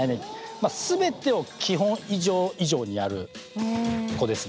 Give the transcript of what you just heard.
全てを基本以上以上にやる子ですね。